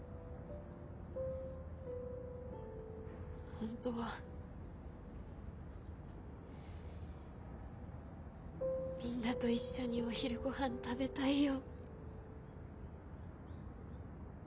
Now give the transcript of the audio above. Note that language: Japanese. ほんとはみんなと一緒にお昼ごはん食べたいよ。